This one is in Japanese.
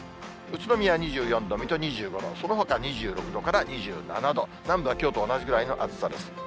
宇都宮２４度、水戸２５度、そのほか２６度から２７度、南部はきょうと同じぐらいの暑さです。